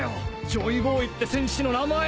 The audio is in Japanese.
ジョイボーイって戦士の名前！